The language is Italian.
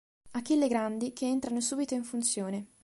Achille Grandi, che entrano subito in funzione.